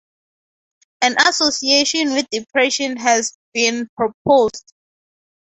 An association with depression has been proposed.